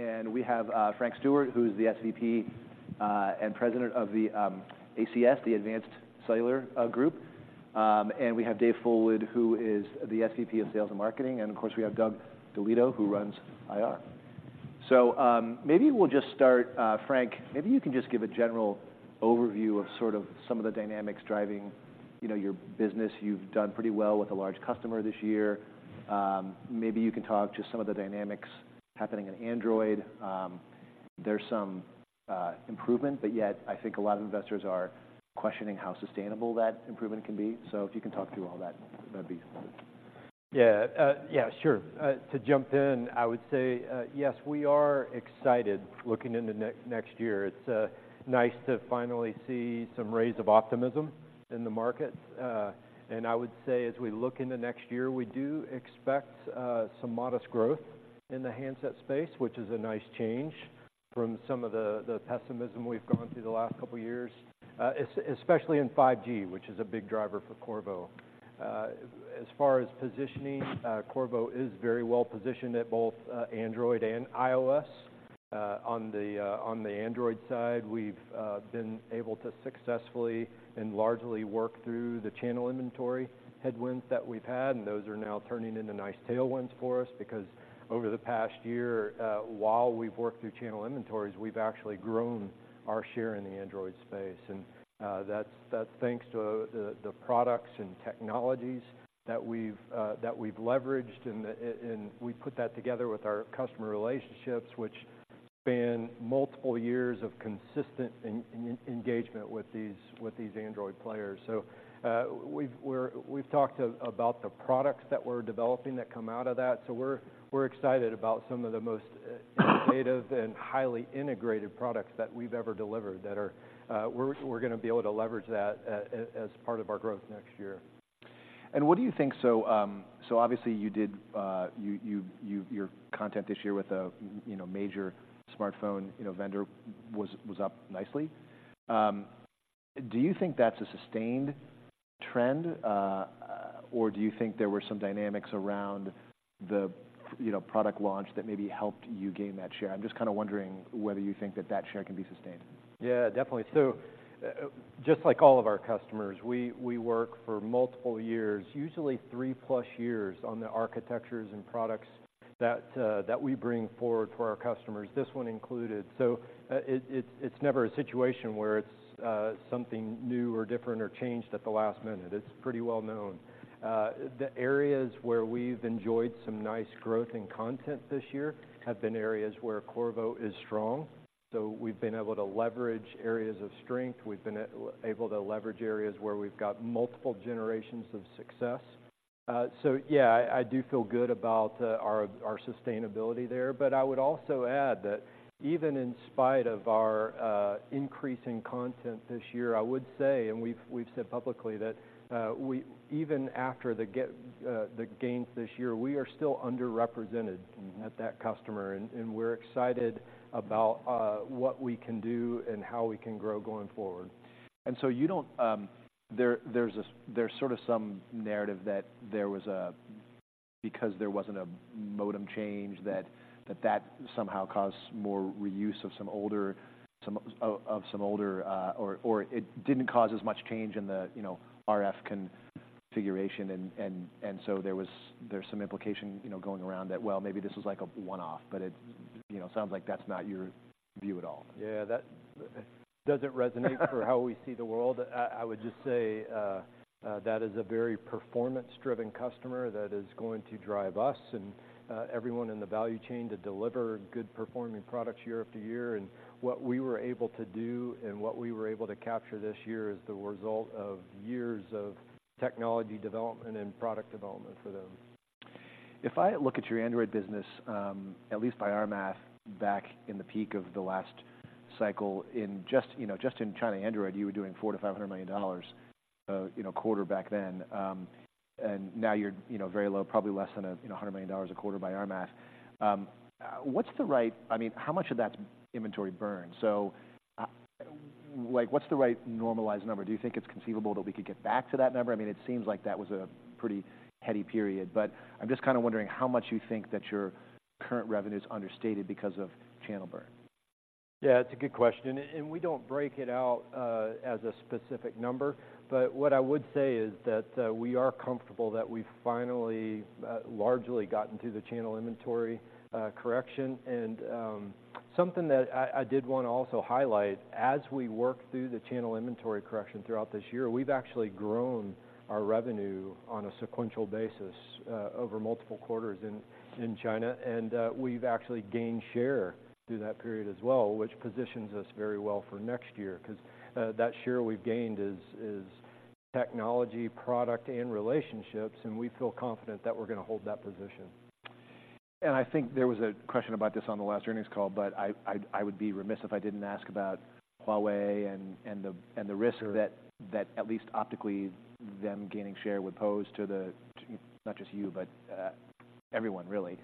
And we have Frank Stewart, who's the SVP and President of the ACG, the Advanced Cellular Group. And we have Dave Fullwood, who is the SVP of Sales and Marketing, and of course, we have Doug DeLieto, who runs IR. So, maybe we'll just start. Frank, maybe you can just give a general overview of sort of some of the dynamics driving, you know, your business. You've done pretty well with a large customer this year. Maybe you can talk to some of the dynamics happening in Android. There's some improvement, but yet I think a lot of investors are questioning how sustainable that improvement can be. So if you can talk through all that, that'd be great. Yeah, yeah, sure. To jump in, I would say yes, we are excited looking into next year. It's nice to finally see some rays of optimism in the market. And I would say, as we look into next year, we do expect some modest growth in the handset space, which is a nice change from some of the pessimism we've gone through the last couple of years, especially in 5G, which is a big driver for Qorvo. As far as positioning, Qorvo is very well positioned at both Android and iOS. On the Android side, we've been able to successfully and largely work through the channel inventory headwinds that we've had, and those are now turning into nice tailwinds for us. Because over the past year, while we've worked through channel inventories, we've actually grown our share in the Android space, and that's thanks to the products and technologies that we've leveraged, and we put that together with our customer relationships, which span multiple years of consistent engagement with these Android players. So, we've talked about the products that we're developing that come out of that, so we're excited about some of the most innovative and highly integrated products that we've ever delivered, that are... We're gonna be able to leverage that as part of our growth next year. And what do you think? So, obviously you did your content this year with a, you know, major smartphone, you know, vendor was up nicely. Do you think that's a sustained trend, or do you think there were some dynamics around the, you know, product launch that maybe helped you gain that share? I'm just kind of wondering whether you think that that share can be sustained. Yeah, definitely. So, just like all of our customers, we work for multiple years, usually 3+ years, on the architectures and products that we bring forward to our customers, this one included. So, it's never a situation where it's something new or different or changed at the last minute. It's pretty well known. The areas where we've enjoyed some nice growth in content this year have been areas where Qorvo is strong, so we've been able to leverage areas of strength. We've been able to leverage areas where we've got multiple generations of success. So yeah, I do feel good about our sustainability there. But I would also add that even in spite of our increase in content this year, I would say, and we've, we've said publicly, that we even after the gains this year, we are still underrepresented at that customer, and, and we're excited about what we can do and how we can grow going forward. And so you don't. There's sort of some narrative that because there wasn't a modem change, that that somehow caused more reuse of some older of some older, or it didn't cause as much change in the, you know, RF configuration, and so there's some implication, you know, going around that, well, maybe this was like a one-off, but it, you know, sounds like that's not your view at all. Yeah, that doesn't resonate for how we see the world. I would just say that is a very performance-driven customer that is going to drive us and everyone in the value chain to deliver good-performing products year after year. And what we were able to do and what we were able to capture this year is the result of years of technology development and product development for them. If I look at your Android business, at least by our math, back in the peak of the last cycle, in just, you know, just in China Android, you were doing $400 million-$500 million, you know, a quarter back then. And now you're, you know, very low, probably less than, you know, $100 million a quarter by our math. What's the right... I mean, how much of that's inventory burn? So, like, what's the right normalized number? Do you think it's conceivable that we could get back to that number? I mean, it seems like that was a pretty heady period, but I'm just kind of wondering how much you think that your current revenue is understated because of channel burn. Yeah, it's a good question, and we don't break it out as a specific number. But what I would say is that we are comfortable that we've finally largely gotten through the channel inventory correction. And something that I did want to also highlight, as we work through the channel inventory correction throughout this year, we've actually grown our revenue on a sequential basis over multiple quarters in China, and we've actually gained share through that period as well, which positions us very well for next year. 'Cause that share we've gained is technology, product, and relationships, and we feel confident that we're gonna hold that position. And I think there was a question about this on the last earnings call, but I would be remiss if I didn't ask about Huawei and the risk- Sure... that at least optically, them gaining share would pose to the, not just you, but everyone really.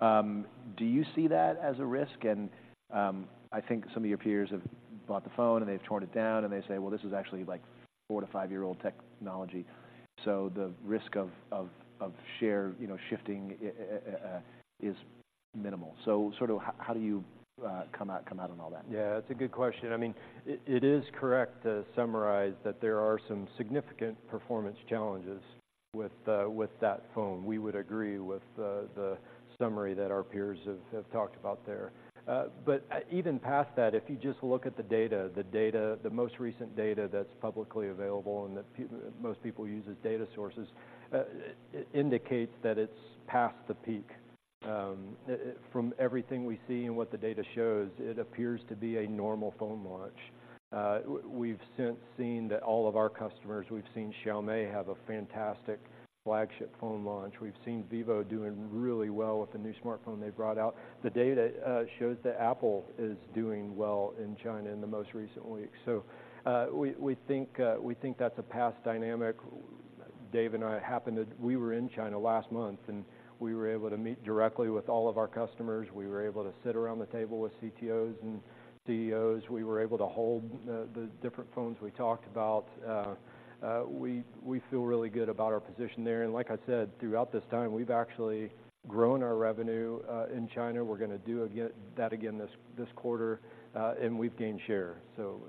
Do you see that as a risk? I think some of your peers have bought the phone, and they've torn it down, and they say: Well, this is actually like four-five-year-old technology. So the risk of share, you know, shifting is minimal. So sort of how do you come out on all that? Yeah, that's a good question. I mean, it is correct to summarize that there are some significant performance challenges with that phone. We would agree with the summary that our peers have talked about there. But even past that, if you just look at the data, the most recent data that's publicly available and that most people use as data sources, indicates that it's past the peak. From everything we see and what the data shows, it appears to be a normal phone launch. We've since seen that all of our customers, we've seen Xiaomi have a fantastic flagship phone launch. We've seen Vivo doing really well with the new smartphone they brought out. The data shows that Apple is doing well in China in the most recent weeks. So, we think that's a past dynamic. Dave and I happened to... We were in China last month, and we were able to meet directly with all of our customers. We were able to sit around the table with CTOs and CEOs. We were able to hold the different phones we talked about. We feel really good about our position there. And like I said, throughout this time, we've actually grown our revenue in China. We're gonna do that again this quarter, and we've gained share. So,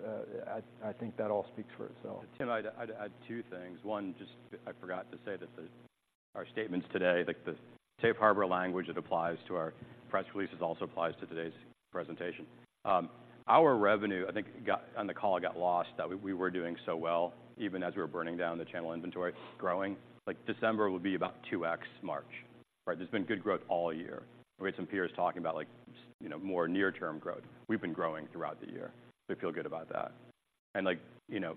I think that all speaks for itself. Tim, I'd add two things. One, just I forgot to say that our statements today, like, the Safe Harbor language that applies to our press releases, also applies to today's presentation. Our revenue, I think, got lost on the call, that we were doing so well, even as we were burning down the channel inventory, growing. Like, December would be about 2x March, right? There's been good growth all year. We had some peers talking about, like, you know, more near-term growth. We've been growing throughout the year. We feel good about that. Like, you know,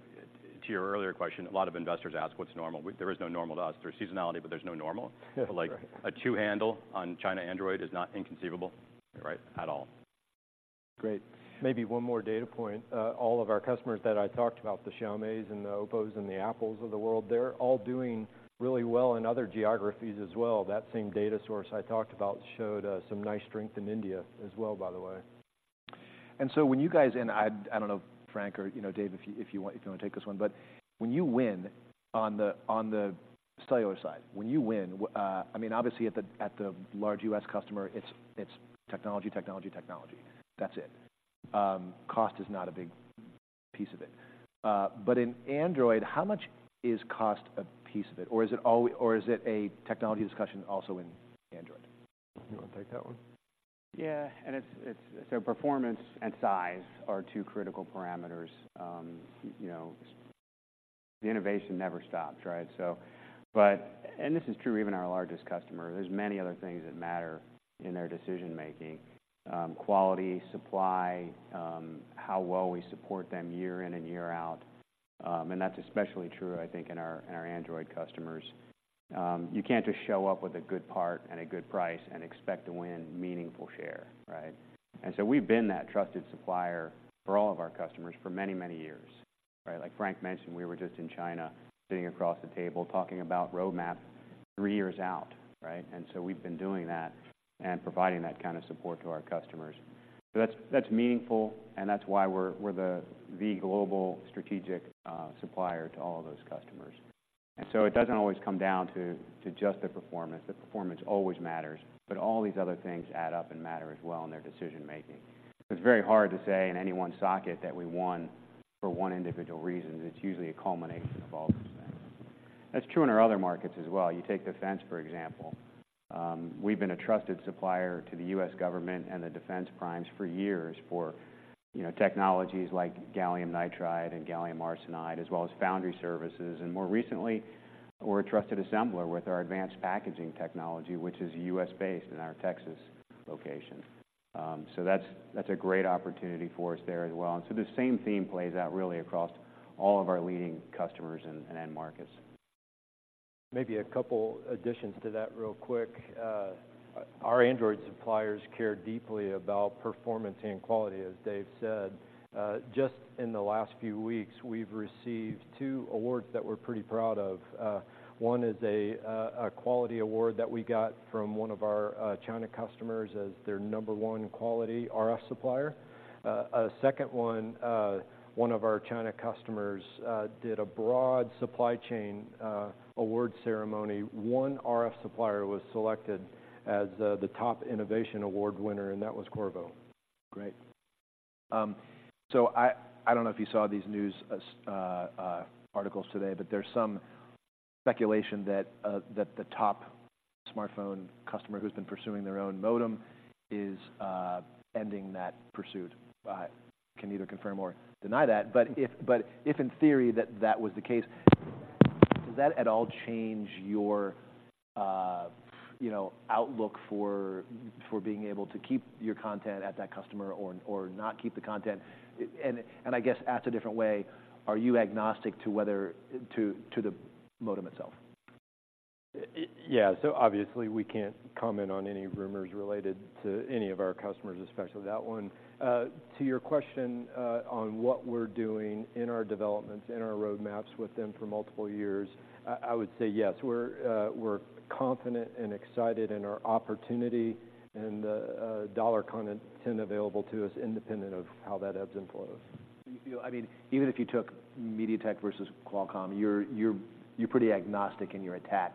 to your earlier question, a lot of investors ask: What's normal? There is no normal to us. There's seasonality, but there's no normal. Right. Like, a two handle on China Android is not inconceivable, right? At all. Great. Maybe one more data point. All of our customers that I talked about, the Xiaomis and the Oppos and the Apples of the world, they're all doing really well in other geographies as well. That same data source I talked about showed some nice strength in India as well, by the way. I don't know, Frank or, you know, Dave, if you want to take this one, but when you win on the cellular side, when you win, I mean, obviously, at the large U.S. customer, it's technology, technology, technology. That's it. Cost is not a big piece of it. But in Android, how much is cost a piece of it? Or is it all- or is it a technology discussion also in Android? You want to take that one? Yeah, and it's so performance and size are two critical parameters. You know, the innovation never stops, right? And this is true, even our largest customer, there's many other things that matter in their decision-making: quality, supply, how well we support them year in and year out. And that's especially true, I think, in our Android customers. You can't just show up with a good part and a good price and expect to win meaningful share, right? And so we've been that trusted supplier for all of our customers for many, many years, right? Like Frank mentioned, we were just in China, sitting across the table, talking about roadmap three years out, right? And so we've been doing that and providing that kind of support to our customers. So that's, that's meaningful, and that's why we're, we're the, the global strategic supplier to all of those customers. So it doesn't always come down to, to just the performance. The performance always matters, but all these other things add up and matter as well in their decision-making. It's very hard to say in any one socket that we won for one individual reason. It's usually a culmination of all those things. That's true in our other markets as well. You take defense, for example. We've been a trusted supplier to the U.S. government and the defense primes for years for, you know, technologies like gallium nitride and gallium arsenide, as well as foundry services. And more recently, we're a trusted assembler with our advanced packaging technology, which is U.S.-based in our Texas location. So that's, that's a great opportunity for us there as well. And so the same theme plays out really across all of our leading customers and end markets. Maybe a couple additions to that real quick. Our Android suppliers care deeply about performance and quality, as Dave said. Just in the last few weeks, we've received two awards that we're pretty proud of. One is a quality award that we got from one of our China customers as their number one quality RF supplier. A second one, one of our China customers did a broad supply chain award ceremony. One RF supplier was selected as the top innovation award winner, and that was Qorvo. Great. So I don't know if you saw these news articles today, but there's some speculation that the top smartphone customer who's been pursuing their own modem is ending that pursuit. I can neither confirm or deny that, but if in theory that was the case, does that at all change your, you know, outlook for being able to keep your content at that customer or not keep the content? And I guess, asked a different way, are you agnostic to whether to the modem itself? Yeah. So obviously, we can't comment on any rumors related to any of our customers, especially that one. To your question, on what we're doing in our developments, in our roadmaps with them for multiple years, I would say yes, we're confident and excited in our opportunity and dollar content available to us, independent of how that ebbs and flows. You know, I mean, even if you took MediaTek versus Qualcomm, you're pretty agnostic in your attach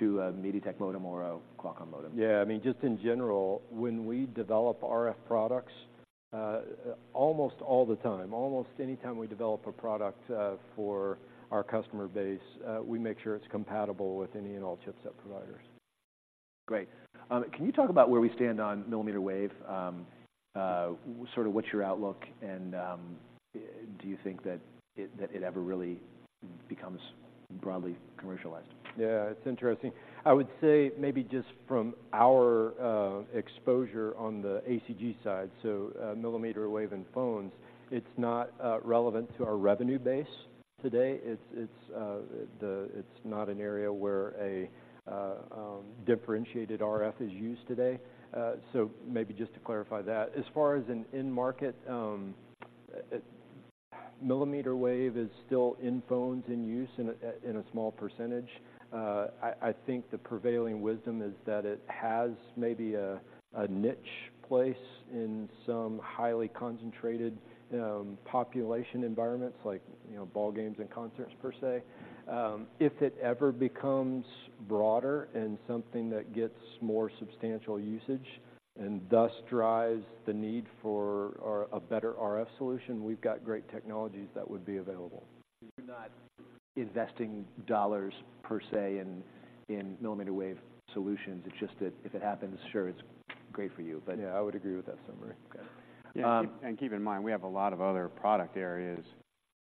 to a MediaTek modem or a Qualcomm modem? Yeah, I mean, just in general, when we develop RF products, almost all the time, almost anytime we develop a product, for our customer base, we make sure it's compatible with any and all chipset providers. Great. Can you talk about where we stand on millimeter wave? Sort of what's your outlook, and do you think that it ever really becomes broadly commercialized? Yeah, it's interesting. I would say maybe just from our exposure on the ACG side, so, millimeter wave in phones, it's not relevant to our revenue base today. It's not an area where a differentiated RF is used today. So maybe just to clarify that. As far as in market, millimeter wave is still in phones, in use in a small percentage. I think the prevailing wisdom is that it has maybe a niche place in some highly concentrated population environments like, you know, ballgames and concerts per se. If it ever becomes broader and something that gets more substantial usage and thus drives the need for a better RF solution, we've got great technologies that would be available. You're not investing dollars per se, in millimeter wave solutions. It's just that if it happens, sure, it's great for you, but- Yeah, I would agree with that summary. Okay, um- Yeah, and keep in mind, we have a lot of other product areas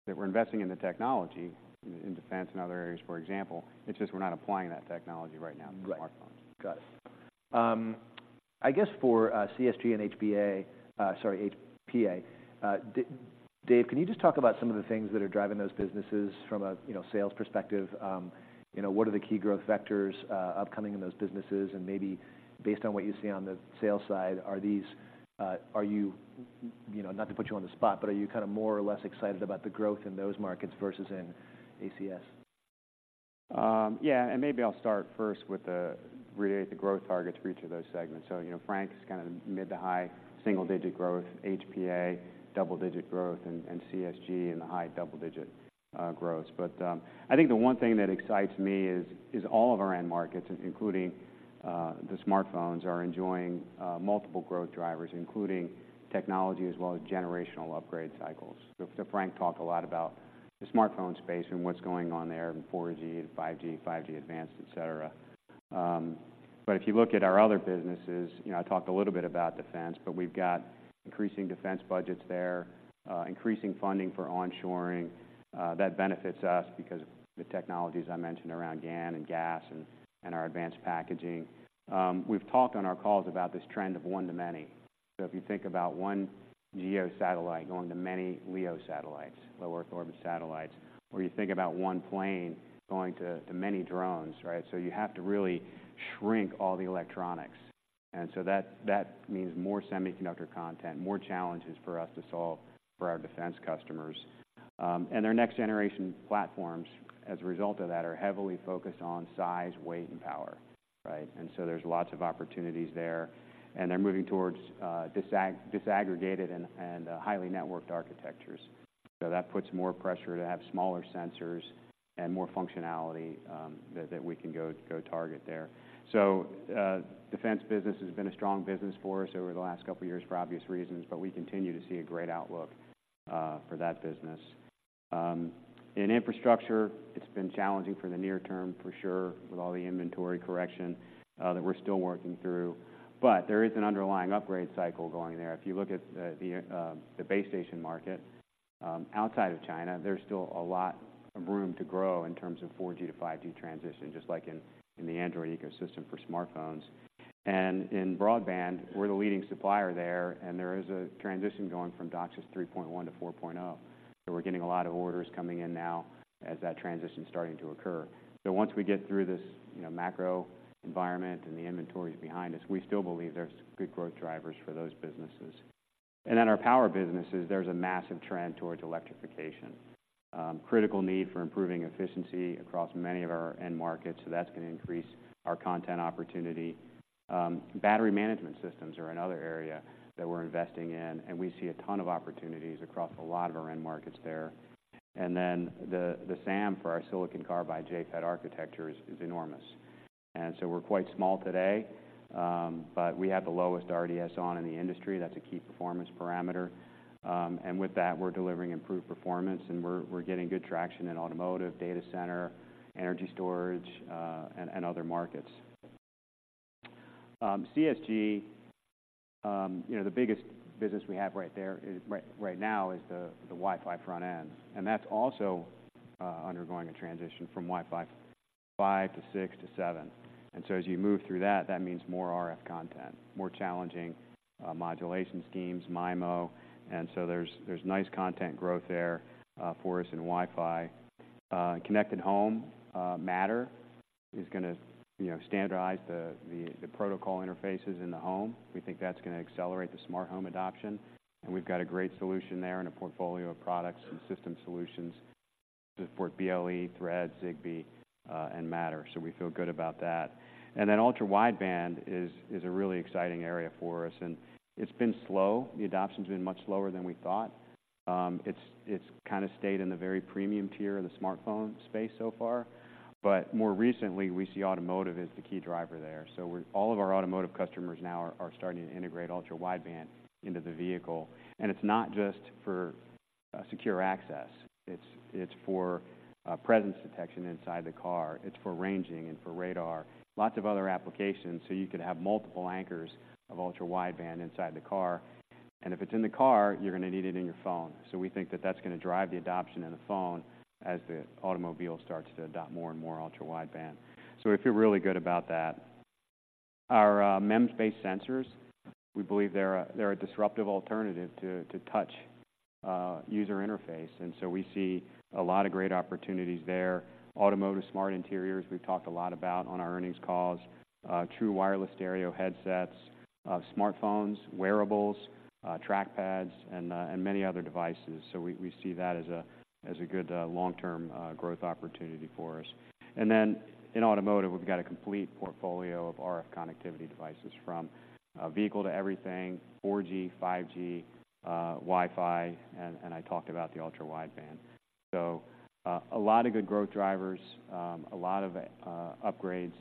that we're investing in the technology, in defense and other areas, for example. It's just we're not applying that technology right now to smartphones. Right. Got it. I guess for CSG and HPA, Dave, can you just talk about some of the things that are driving those businesses from a, you know, sales perspective? You know, what are the key growth vectors upcoming in those businesses? And maybe based on what you see on the sales side, are these, are you, you know, not to put you on the spot, but are you kind of more or less excited about the growth in those markets versus in ACS? Yeah, and maybe I'll start first with the reiterate the growth targets for each of those segments. So, you know, Frank's kind of mid- to high-single-digit growth, HPA double-digit growth, and, and CSG in the high double-digit growth. But I think the one thing that excites me is all of our end markets, including the smartphones, are enjoying multiple growth drivers, including technology as well as generational upgrade cycles. So Frank talked a lot about the smartphone space and what's going on there in 4G and 5G, 5G Advanced, etc. But if you look at our other businesses, you know, I talked a little bit about defense, but we've got increasing defense budgets there, increasing funding for onshoring. That benefits us because the technologies I mentioned around GaN and GaAs and, and our advanced packaging. We've talked on our calls about this trend of one to many. So if you think about one GEO satellite going to many LEO satellites, Low-Earth Orbit satellites, or you think about one plane going to many drones, right? So you have to really shrink all the electronics. And so that means more semiconductor content, more challenges for us to solve for our defense customers. And our next generation platforms, as a result of that, are heavily focused on size, weight, and power, right? And so there's lots of opportunities there, and they're moving towards disaggregated and highly networked architectures. So that puts more pressure to have smaller sensors and more functionality that we can go target there. So, defense business has been a strong business for us over the last couple of years for obvious reasons, but we continue to see a great outlook for that business. In infrastructure, it's been challenging for the near term, for sure, with all the inventory correction that we're still working through. But there is an underlying upgrade cycle going there. If you look at the base station market outside of China, there's still a lot of room to grow in terms of 4G to 5G transition, just like in the Android ecosystem for smartphones. And in broadband, we're the leading supplier there, and there is a transition going from DOCSIS 3.1 to 4.0. So we're getting a lot of orders coming in now as that transition is starting to occur. So once we get through this, you know, macro environment and the inventory is behind us, we still believe there's good growth drivers for those businesses. And then our power businesses, there's a massive trend towards electrification. Critical need for improving efficiency across many of our end markets, so that's going to increase our content opportunity. Battery management systems are another area that we're investing in, and we see a ton of opportunities across a lot of our end markets there. And then the SAM for our silicon carbide GaN FET architecture is enormous. And so we're quite small today, but we have the lowest RDS(on) in the industry. That's a key performance parameter. And with that, we're delivering improved performance, and we're getting good traction in automotive, data center, energy storage, and other markets. CSG, you know, the biggest business we have right there is right now the Wi-Fi front end, and that's also undergoing a transition from Wi-Fi 5 to 6 to 7. And so as you move through that, that means more RF content, more challenging modulation schemes, MIMO, and so there's nice content growth there for us in Wi-Fi. Connected home, Matter is gonna you know standardize the protocol interfaces in the home. We think that's gonna accelerate the smart home adoption, and we've got a great solution there and a portfolio of products and system solutions to support BLE, Thread, Zigbee, and Matter. So we feel good about that. And then ultra-wideband is a really exciting area for us, and it's been slow. The adoption's been much slower than we thought. It's kind of stayed in the very premium tier of the smartphone space so far, but more recently, we see automotive as the key driver there. So all of our automotive customers now are starting to integrate ultra-wideband into the vehicle, and it's not just for secure access. It's for presence detection inside the car. It's for ranging and for radar, lots of other applications. So you could have multiple anchors of ultra-wideband inside the car, and if it's in the car, you're gonna need it in your phone. So we think that that's gonna drive the adoption in the phone as the automobile starts to adopt more and more ultra-wideband. So we feel really good about that. Our MEMS-based sensors, we believe they're a disruptive alternative to touch user interface, and so we see a lot of great opportunities there. Automotive smart interiors, we've talked a lot about on our earnings calls, true wireless stereo headsets, smartphones, wearables, trackpads, and many other devices. So we see that as a good long-term growth opportunity for us. And then in automotive, we've got a complete portfolio of RF connectivity devices, from vehicle-to-everything, 4G, 5G, Wi-Fi, and I talked about the ultra-wideband. So a lot of good growth drivers, a lot of upgrades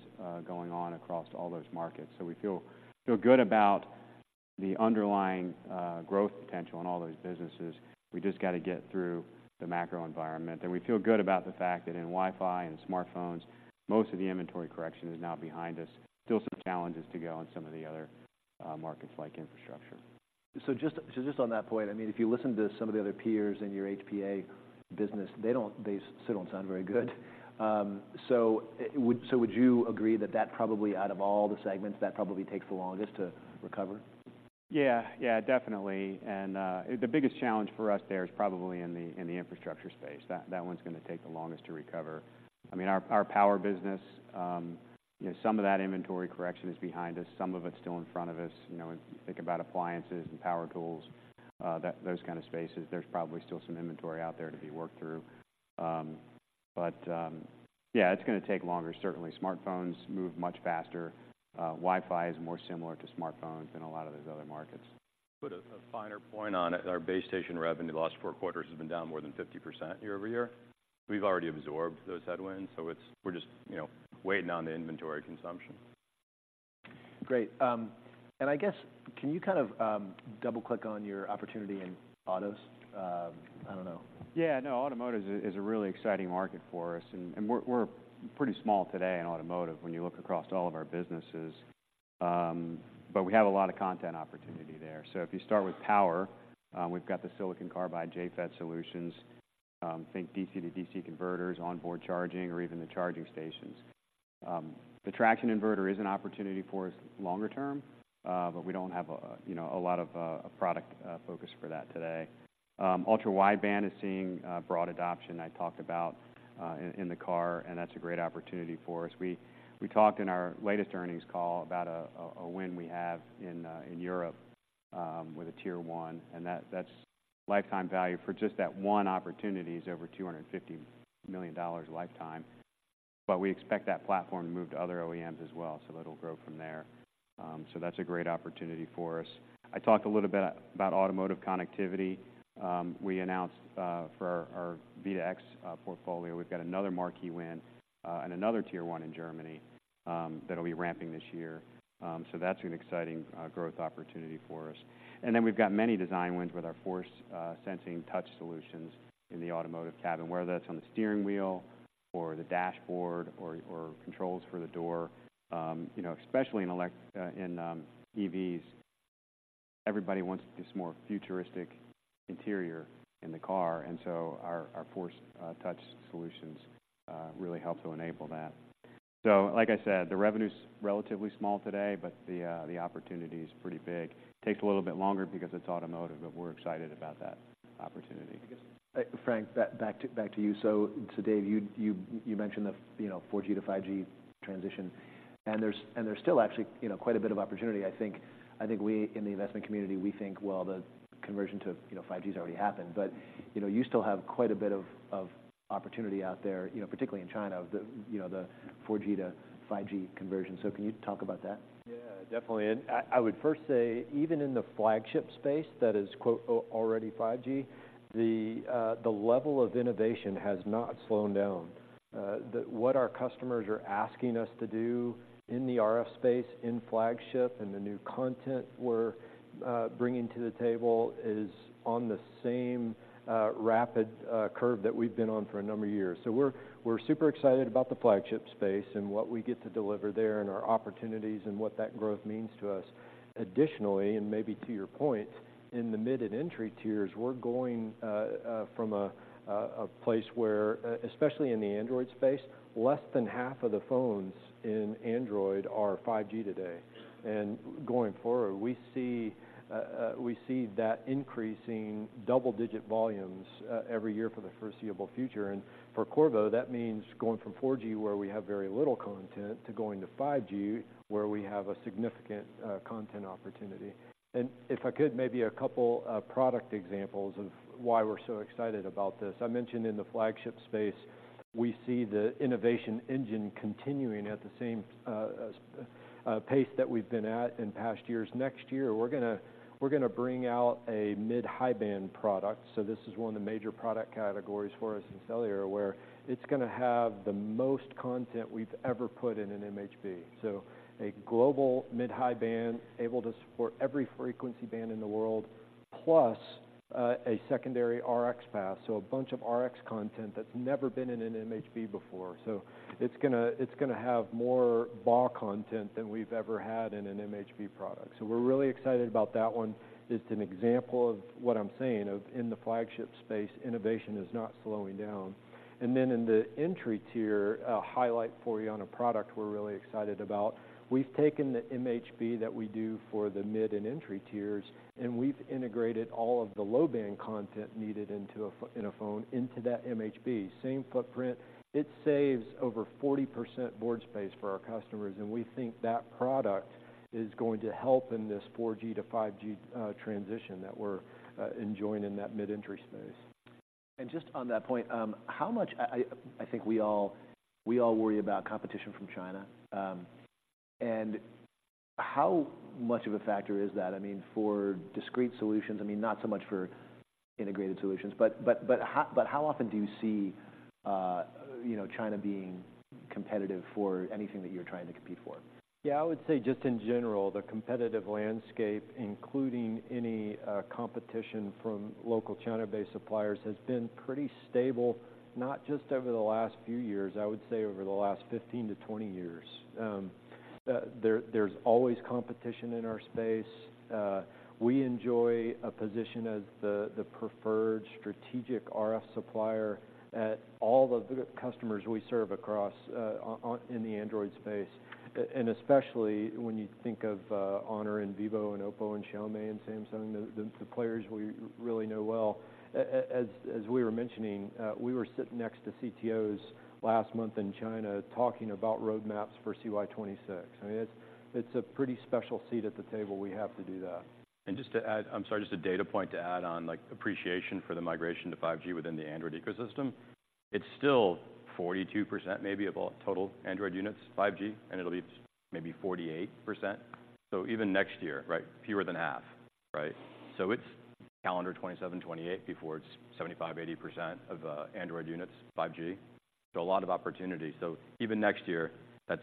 going on across all those markets. So we feel good about the underlying growth potential in all those businesses. We just gotta get through the macro environment. We feel good about the fact that in Wi-Fi and smartphones, most of the inventory correction is now behind us. Still some challenges to go on some of the other, markets like infrastructure. So just, so just on that point, I mean, if you listen to some of the other peers in your HPA business, they don't, they still don't sound very good. So would, so would you agree that that probably, out of all the segments, that probably takes the longest to recover? Yeah. Yeah, definitely. And, the biggest challenge for us there is probably in the, in the infrastructure space. That, that one's gonna take the longest to recover. I mean, our, our power business, you know, some of that inventory correction is behind us, some of it's still in front of us. You know, if you think about appliances and power tools, that, those kind of spaces, there's probably still some inventory out there to be worked through. But, yeah, it's gonna take longer, certainly. Smartphones move much faster. Wi-Fi is more similar to smartphones than a lot of these other markets. Put a finer point on it, our base station revenue the last four quarters has been down more than 50% YoY. We've already absorbed those headwinds, so it's, we're just, you know, waiting on the inventory consumption. Great. And I guess, can you kind of, double-click on your opportunity in autos? I don't know. Yeah, no, automotive is a really exciting market for us, and we're pretty small today in automotive when you look across all of our businesses. But we have a lot of content opportunity there. So if you start with power, we've got the silicon carbide JFET solutions, think DC-to-DC converters, onboard charging, or even the charging stations. The traction inverter is an opportunity for us longer term, but we don't have a you know a lot of a product focus for that today. Ultra-wideband is seeing broad adoption, I talked about in the car, and that's a great opportunity for us. We talked in our latest earnings call about a win we have in Europe with a Tier One, and that's lifetime value for just that one opportunity is over $250 million lifetime. But we expect that platform to move to other OEMs as well, so it'll grow from there. So that's a great opportunity for us. I talked a little bit about automotive connectivity. We announced for our V2X portfolio, we've got another marquee win and another Tier One in Germany that'll be ramping this year. So that's an exciting growth opportunity for us. And then we've got many design wins with our force-sensing touch solutions in the automotive cabin, whether that's on the steering wheel or the dashboard or controls for the door. You know, especially in EVs, everybody wants this more futuristic interior in the car, and so our force touch solutions really help to enable that. So like I said, the revenue's relatively small today, but the opportunity is pretty big. Takes a little bit longer because it's automotive, but we're excited about that opportunity. Frank, back to you. So, Dave, you mentioned the, you know, 4G to 5G transition, and there's still actually, you know, quite a bit of opportunity. I think we, in the investment community, we think, well, the conversion to, you know, 5G has already happened. But, you know, you still have quite a bit of opportunity out there, you know, particularly in China, the 4G to 5G conversion. So can you talk about that? Yeah, definitely. And I, I would first say, even in the flagship space, that is, quote, "already 5G," the level of innovation has not slowed down. What our customers are asking us to do in the RF space, in flagship, and the new content we're bringing to the table, is on the same rapid curve that we've been on for a number of years. So we're super excited about the flagship space and what we get to deliver there and our opportunities and what that growth means to us. Additionally, and maybe to your point, in the mid and entry tiers, we're going from a place where, especially in the Android space, less than half of the phones in Android are 5G today. Going forward, we see that increasing double-digit volumes every year for the foreseeable future. For Qorvo, that means going from 4G, where we have very little content, to 5G, where we have a significant content opportunity. If I could, maybe a couple product examples of why we're so excited about this. I mentioned in the flagship space, we see the innovation engine continuing at the same pace that we've been at in past years. Next year, we're gonna bring out a mid-high band product. So this is one of the major product categories for us in cellular, where it's gonna have the most content we've ever put in an MHB. So a global mid-high band, able to support every frequency band in the world, plus a secondary RX path. So a bunch of RX content that's never been in an MHB before. So it's gonna, it's gonna have more BAW content than we've ever had in an MHB product. So we're really excited about that one. It's an example of what I'm saying, of in the flagship space, innovation is not slowing down. And then in the entry tier, a highlight for you on a product we're really excited about, we've taken the MHB that we do for the mid and entry tiers, and we've integrated all of the low-band content needed into a phone into that MHB. Same footprint. It saves over 40% board space for our customers, and we think that product is going to help in this 4G to 5G transition that we're enjoying in that mid-entry space. Just on that point, how much... I think we all worry about competition from China. And how much of a factor is that, I mean, for discrete solutions, I mean, not so much for integrated solutions, but how often do you see, you know, China being competitive for anything that you're trying to compete for? Yeah, I would say just in general, the competitive landscape, including any competition from local China-based suppliers, has been pretty stable, not just over the last few years, I would say over the last 15-20 years. There's always competition in our space. We enjoy a position as the preferred strategic RF supplier at all of the customers we serve across in the Android space, and especially when you think of Honor and Vivo and Oppo and Xiaomi and Samsung, the players we really know well. As we were mentioning, we were sitting next to CTOs last month in China talking about roadmaps for CY 2026. I mean, it's a pretty special seat at the table we have to do that. And just to add, I'm sorry, just a data point to add on, like, appreciation for the migration to 5G within the Android ecosystem, it's still 42%, maybe, of all total Android units, 5G, and it'll be maybe 48%. So even next year, right, fewer than half, right? So it's calendar 2027, 2028 before it's 75%-80% of Android units, 5G. So a lot of opportunity. So even next year, that's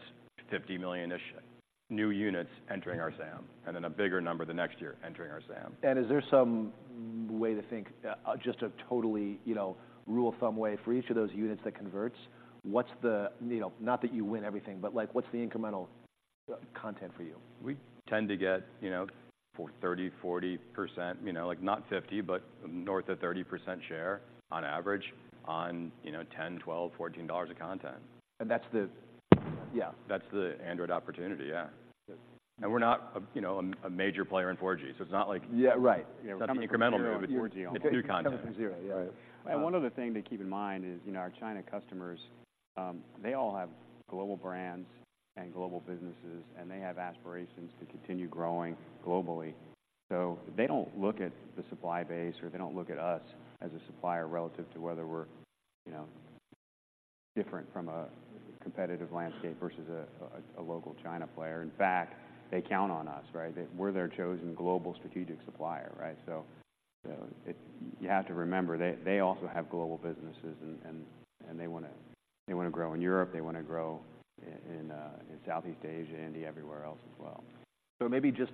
50 million-ish new units entering our SAM, and then a bigger number the next year entering our SAM. Is there some way to think, just a totally, you know, rule of thumb way for each of those units that converts, what's the, you know, not that you win everything, but, like, what's the incremental content for you? We tend to get, you know, for 30%-40%, you know, like, not 50%, but north of 30% share on average on, you know, $10, $12, $14 of content. And that's. Yeah. That's the Android opportunity, yeah. Yeah. We're not, you know, a major player in 4G, so it's not like- Yeah, right. It's an incremental move. It's new content. Coming from zero, yeah. Right. One other thing to keep in mind is, you know, our China customers, they all have global brands and global businesses, and they have aspirations to continue growing globally. So they don't look at the supply base, or they don't look at us as a supplier relative to whether we're, you know, different from a competitive landscape versus a local China player. In fact, they count on us, right? We're their chosen global strategic supplier, right? So you have to remember, they also have global businesses, and they wanna, they wanna grow in Europe, they wanna grow in Southeast Asia, India, everywhere else as well. So maybe just-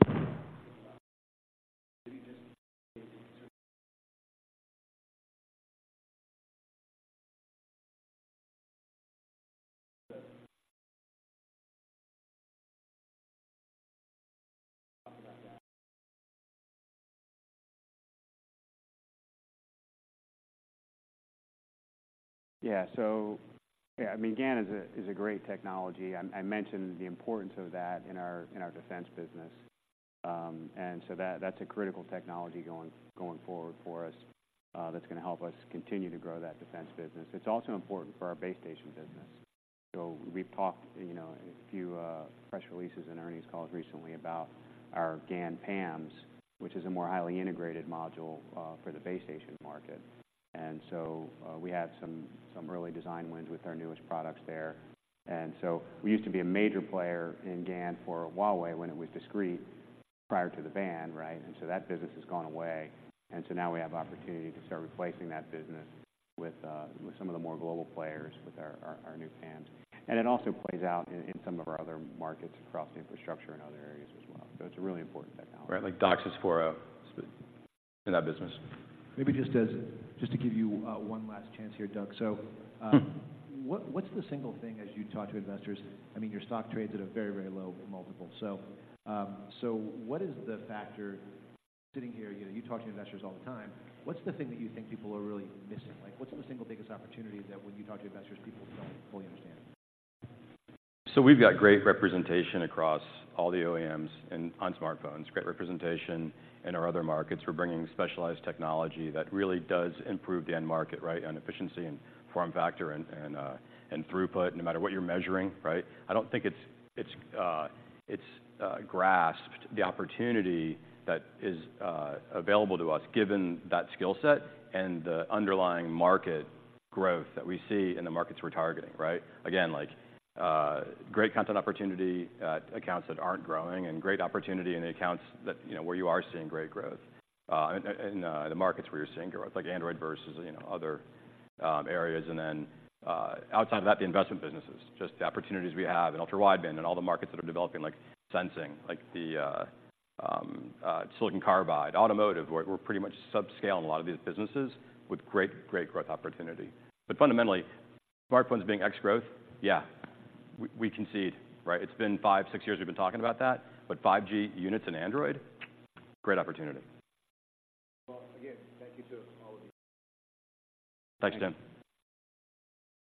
Yeah. So, yeah, I mean, GaN is a great technology. I mentioned the importance of that in our defense business. And so that's a critical technology going forward for us, that's gonna help us continue to grow that defense business. It's also important for our base station business. So we've talked in, you know, a few press releases and earnings calls recently about our GaN PAMs, which is a more highly integrated module for the base station market. And so we had some early design wins with our newest products there. And so we used to be a major player in GaN for Huawei when it was discrete, prior to the ban, right? And so that business has gone away, and so now we have opportunity to start replacing that business with some of the more global players, with our new GaNs. And it also plays out in some of our other markets across infrastructure and other areas as well. So it's a really important technology. Right, like DOCSIS 4.0, in that business. Maybe just to give you one last chance here, Doug. Mm-hmm. So, what, what's the single thing as you talk to investors—I mean, your stock trades at a very, very low multiple. So, so what is the factor, sitting here, you know, you talk to investors all the time, what's the thing that you think people are really missing? Like, what's the single biggest opportunity that when you talk to investors, people don't fully understand? So we've got great representation across all the OEMs and on smartphones, great representation in our other markets. We're bringing specialized technology that really does improve the end market, right, on efficiency and form factor and throughput, no matter what you're measuring, right? I don't think it's grasped the opportunity that is available to us, given that skill set and the underlying market growth that we see in the markets we're targeting, right? Again, like, great content opportunity, accounts that aren't growing and great opportunity in the accounts that, you know, where you are seeing great growth, in the markets where you're seeing growth, like Android versus, you know, other areas. And then, outside of that, the investment businesses, just the opportunities we have in ultra-wideband and all the markets that are developing, like sensing, like the, silicon carbide, automotive, where we're pretty much sub-scale in a lot of these businesses with great, great growth opportunity. But fundamentally, smartphones being ex-growth, yeah, we, we concede, right? It's been five, six years we've been talking about that, but 5G units and Android, great opportunity. Well, again, thank you to all of you. Thanks, Tim.